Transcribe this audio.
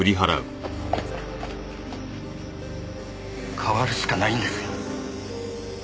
変わるしかないんですよ。